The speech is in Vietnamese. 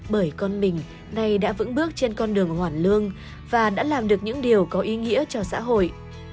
bởi con mình nay đã vững bước trên con đường hoàn lương và đã làm được những điều có ý nghĩa cho xã hội